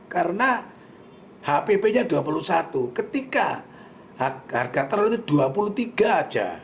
karena hpp nya dua puluh satu ketika harga telur itu dua puluh tiga aja